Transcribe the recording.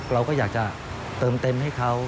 เราก็อยากจะเติมเต็มให้เขา